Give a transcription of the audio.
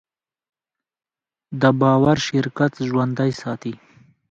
دا باور شرکت ژوندی ساتي.